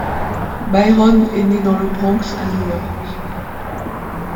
Byron est né dans le Bronx à New York.